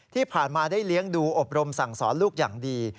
ที่ผ่านมาได้เลี้ยงดูอบรมสั่งสอนลูกอย่างดี